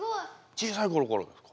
小さい頃からですか？